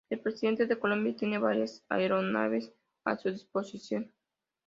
El Presidente de Colombia tiene varias aeronaves a su disposición.